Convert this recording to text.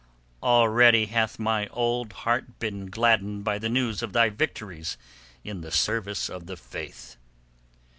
Already hath my old heart been gladdened by the news of thy victories in the service of the Faith."